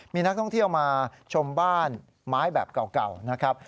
มีนักท่องเที่ยวมาชมบ้านไม้แบบเก่านะครับ